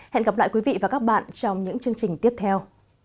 hẹn gặp lại quý vị và các bạn trong những chương trình tiếp theo